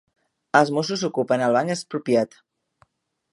Els mossos ocupen el Banc Expropiat